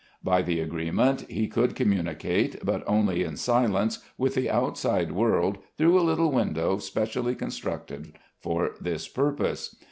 By the agreement he could communicate, but only in silence, with the outside world through a little window specially constructed for this purpose.